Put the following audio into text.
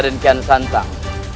karena raden kian santang